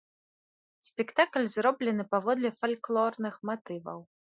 Спектакль зроблены паводле фальклорных матываў.